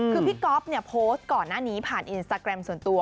คือพี่ก๊อฟเนี่ยโพสต์ก่อนหน้านี้ผ่านอินสตาแกรมส่วนตัว